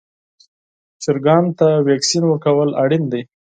چرګانو ته واکسین ورکول اړین دي.